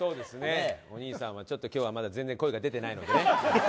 お兄さんは今日はまだ全然、声が出てないので。